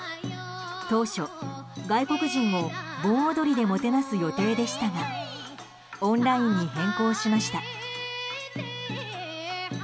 当初、外国人を盆踊りでもてなす予定でしたがオンラインに変更しました。